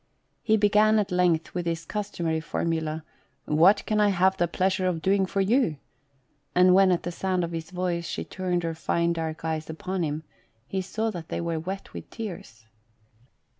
He began at length with his customary formula " What can I have the pleasure of doing for you?" and when, at the sound of his voice, she turned her fine dark eyes upon him, he saw that they were wet with tears.